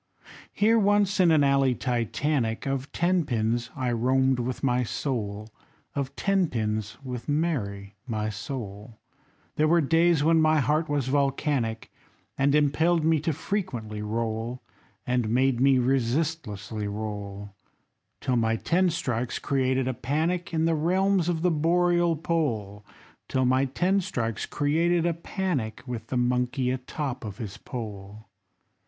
Here, once in an alley Titanic Of Ten pins, I roamed with my soul, Of Ten pins, with Mary, my soul; They were days when my heart was volcanic, And impelled me to frequently roll, And made me resistlessly roll, Till my ten strikes created a panic In the realms of the Boreal pole, Till my ten strikes created a panic With the monkey atop of his pole.